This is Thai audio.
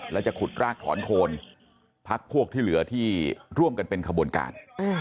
แล้วจะขุดรากถอนโคนพักพวกที่เหลือที่ร่วมกันเป็นขบวนการ